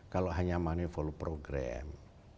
kalau hanya money follow program